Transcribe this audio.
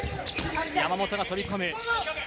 山本が飛び込む。